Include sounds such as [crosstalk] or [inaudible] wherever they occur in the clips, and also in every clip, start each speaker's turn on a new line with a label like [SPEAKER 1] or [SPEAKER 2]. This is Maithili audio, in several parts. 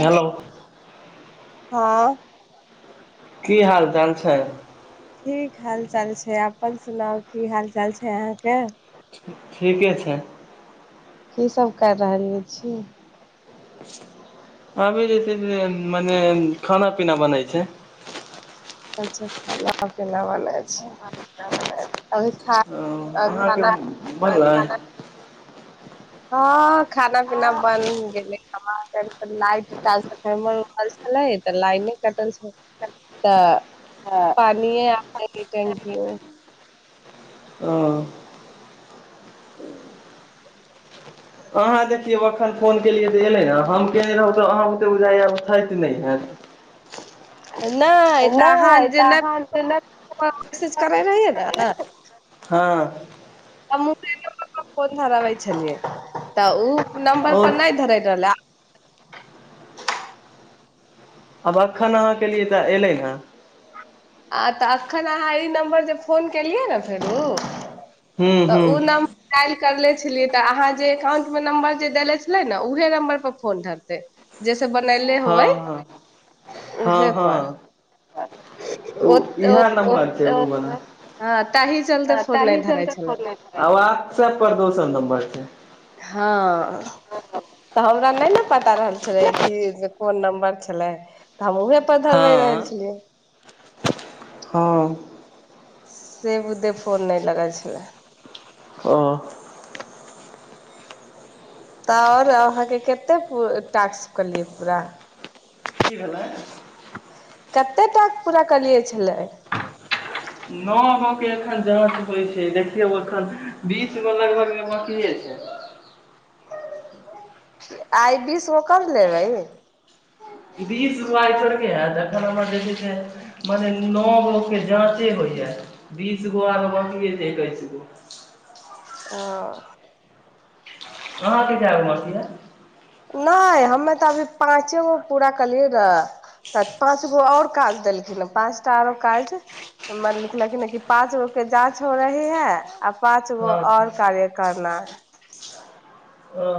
[SPEAKER 1] हेलो।
[SPEAKER 2] हँ।
[SPEAKER 1] की हाल चाल छै।
[SPEAKER 2] ठीक हाल चाल छै अपन सुनाउ की हाल चाल छै अहाँके।
[SPEAKER 1] ठीके छै।
[SPEAKER 2] कीसभ कर रहलै छी
[SPEAKER 1] अभी जे छै से मने खाना पीना बनै छै।
[SPEAKER 2] अच्छा खाना पनाा बनै छै ख।
[SPEAKER 1] [unintelligible] आ
[SPEAKER 2] हँ खाना पीना बन गेलै लाइट ट्रांसफर््मर रहल छले तऽ लाइने कटल छल तऽ पानिे आ टंकी मे।
[SPEAKER 1] ओ अहाँ देखियौ एखन फोन केलियै जे एयलै ने हम केयने रहौ तऽ अहाँ ओतेक बुझाइब खैत नहि हैत।
[SPEAKER 2] नहि तऽ
[SPEAKER 1] नहि तऽ अहाँ जे नहि
[SPEAKER 2] मेसेज रहियै ने।
[SPEAKER 1] हाँ‌
[SPEAKER 2] पथरबै छलियै तऽ ओ
[SPEAKER 1] ओ
[SPEAKER 2] नम्बर पर नहि धरे रहलै
[SPEAKER 1] आब एखन अहाँके लिए तऽ अयलै ने
[SPEAKER 2] आ तऽ एखन अहाँ ई नम्बर जे फोन केलियै ने फेरो
[SPEAKER 1] हूँ
[SPEAKER 2] तऽ
[SPEAKER 1] हूँ
[SPEAKER 2] ओ नाम डइल कर लेत न बनले
[SPEAKER 1] हँ
[SPEAKER 2] होबै
[SPEAKER 1] हँ हँ
[SPEAKER 2] उहे
[SPEAKER 1] हँ
[SPEAKER 2] पर
[SPEAKER 1] इएह
[SPEAKER 2] ओ
[SPEAKER 1] नम्बर छै बल
[SPEAKER 2] हँ ताहि चलते फोन नहि धरै
[SPEAKER 1] त
[SPEAKER 2] छलै
[SPEAKER 1] वाट्सऐप पर दोसर नंबर छै
[SPEAKER 2] ओरा नहि ने पता रहल छलै कि कोन नम्बर छलै त हम उऊहे पर धरबै रहल
[SPEAKER 1] हँ
[SPEAKER 2] छलियै तऽ
[SPEAKER 1] हँ
[SPEAKER 2] से बुधे फोन नहि लगा छलै।
[SPEAKER 1] ओ
[SPEAKER 2] तऽ आओर अहाँके कते टास्क कलियै पूरा
[SPEAKER 1] की भेलै
[SPEAKER 2] कतेटास् पूरा कलियै छले
[SPEAKER 1] नओ गो एखन जाँच होइ छै देखियौ एखन बीस गो लगभग बके छै
[SPEAKER 2] आइ बीसगो कम लेबै
[SPEAKER 1] बीस गो आइ करोड़केे हए जखन हमर जे छै से मने नओ गोके जाँचे होइए बीस गो आर बनए जे एकैस गो।
[SPEAKER 2] ह
[SPEAKER 1] कहहाँ की छैब मरसीए
[SPEAKER 2] नहि हमे तऽ अभी पाँचे गो पूरा कलियै र तऽ पाँच गो आओर काज देलखिन पाँचटा आरो काजर लिखलखिन कि पाँच गो के जाँच हो रही है आ पाँच गो
[SPEAKER 1] हँ
[SPEAKER 2] और कार्य कर अपना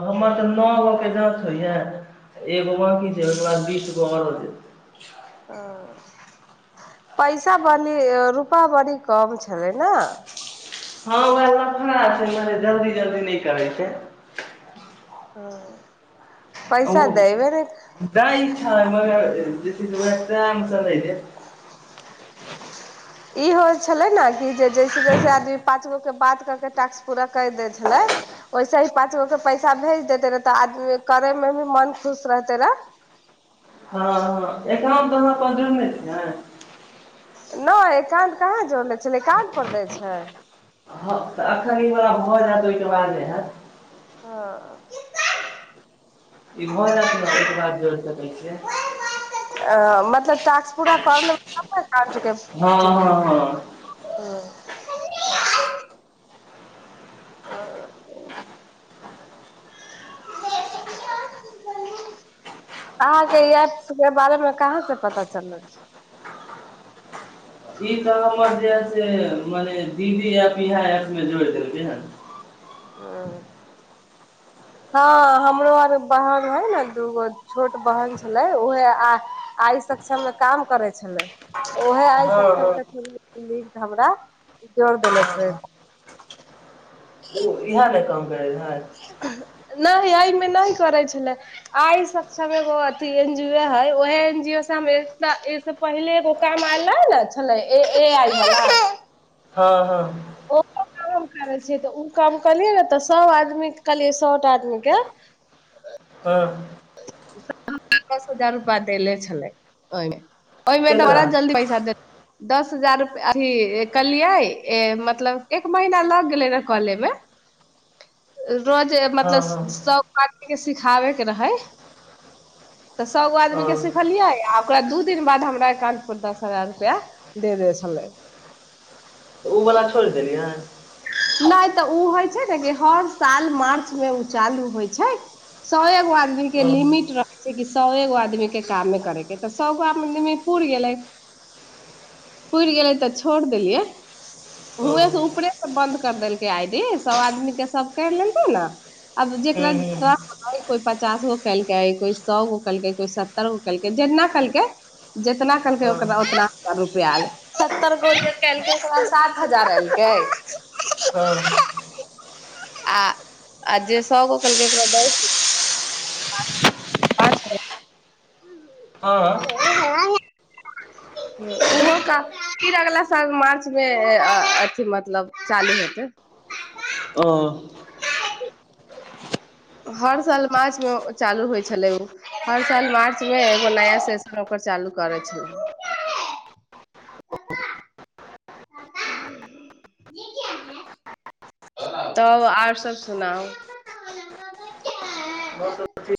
[SPEAKER 1] हमर तऽ नओगोके जाँच होइए एगो बाँकी छै ओहिके बाद बीसगो आओरो जे
[SPEAKER 2] ह पैसा बली रुपा बड़ी कम छलै ने
[SPEAKER 1] हँ उएह लफड़ छै मर जल्दी जल्दी नहि करै छै
[SPEAKER 2] हँ
[SPEAKER 1] ओ दइ छै ै
[SPEAKER 2] ई होइ छले ने कि जे जैसे जैसे आदमी पाँच गो के बात करके टैक्स पूरा कर देै छले वैसे ही पाँच गो के पैसा भेज देते रहे तऽ आदमी करेमे भी मन खुश रहते रहे
[SPEAKER 1] हँ हँ एकरा तह अपन छै ने
[SPEAKER 2] नहि एकानं्त कहे जोड़ ले छलैां्त पर दै छै
[SPEAKER 1] हँ तऽ एखन ई ओरा भऽ जायत ओहिके बाद नहि हयैत
[SPEAKER 2] हँ
[SPEAKER 1] ई भ जायत ने ओहिके बाद जोड़ि सकै छियै
[SPEAKER 2] अ मतलब ास् पूरा कर लेब [inaudible]
[SPEAKER 1] हँ हँ हँ
[SPEAKER 2] अहाँके ई एप के बारेमे कहाँ से पता चलल
[SPEAKER 1] ई तऽ हमर जे से मने दीदी इहा एप्प मे जोड़ी देलकै हन
[SPEAKER 2] ह [unintelligible] हँ हमरो आर बहन हइ ने दूगो छोट बहन छलै उहे आ आइ सक्षम मे काम करे छलै ओहे आइ सक्षम कें थूरू लिंक हमरा जोर देेले छै
[SPEAKER 1] ओ इएह ने काम बेरघइ [unintelligible]
[SPEAKER 2] नहि एहिमे नहि करै छलै आइ सक्षम एगो अथि एन जी ओ हइ ओहे एन जी ओ से पहिले एगो काम आयले ने छलै ए आइ वला
[SPEAKER 1] हँ हँ
[SPEAKER 2] ओहो काम हम करै छियै तऽ ओ काम करलियै ने तऽ सभ आदमी कहलियै सौ आदमीके
[SPEAKER 1] व [unintelligible]
[SPEAKER 2] दस हजार रुपआ देले छलै ओहिमे ओहि त
[SPEAKER 1] केकरा
[SPEAKER 2] बड़ा जल्दी पैसा दे - दस हजार रुप अथी कहलियै मतलब एक महीना लग गेलै र कॉले मे रोज
[SPEAKER 1] हँ हँ
[SPEAKER 2] मतलब सब - सिखाबे के रहै तऽ सौगो आदमी के
[SPEAKER 1] हँ
[SPEAKER 2] सिखलियै आ ओकरा दू दिन बाद हमरा एकाउंट पर दस हजार रुपआ दे दे छलै
[SPEAKER 1] तऽ उ वला छोड़ि देलियै
[SPEAKER 2] नहि तऽ ओ होइ छै ने कि हर साल मार्च मे ओ चालू होइ छै सएगो आदमी
[SPEAKER 1] हँ
[SPEAKER 2] लिमिट रहै सौ एगो आदमी के काम मे करे के तऽ सौगो आदमी पुर गेले पुर गेले तऽ छोड़ देलियै
[SPEAKER 1] ओ हूँ
[SPEAKER 2] उहें ऊपरे से बन्द कर देलकै आई डी सब आदमी के सब कर लेलकै ने आब जेकरा
[SPEAKER 1] हूँ
[SPEAKER 2] को पचास गो केलकै को सए गोलक को सत्तर गो जेितना केलकै
[SPEAKER 1] हँ
[SPEAKER 2] जेितनालकक उना रूप स्तर गोातजारल
[SPEAKER 1] हँ
[SPEAKER 2] आ आ जे सए गो कलकै ओकरा दै [inaudible] पाँच हजार
[SPEAKER 1] हँ
[SPEAKER 2] [unintelligible] हो त फिर अगला साल मार्च मे अथी मतलब चालू हेतै
[SPEAKER 1] ओ
[SPEAKER 2] हर साल मार्च मे चालू होइ छलै ओ हर साल मार्च मे एगो नया सेशन ओकर चालू करै छलै क [unintelligible] तब आर सब सुनाउ
[SPEAKER 1] आवाज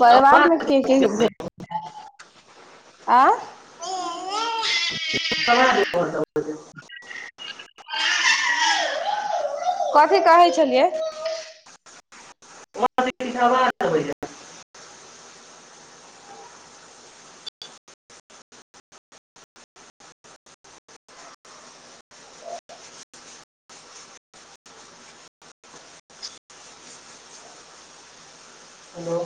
[SPEAKER 2] परिवार मे के के ह- आ ह [unintelligible] कथी कहै छलियै
[SPEAKER 1] वाजबै [unintelligible] हेलो